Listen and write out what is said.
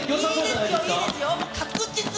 いいですよ、いいですよ。